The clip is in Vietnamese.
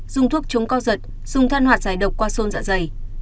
dùng thuốc chống co giật dùng than hoạt giải độc qua xôn dạ dày